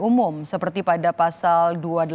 umum seperti pada pasal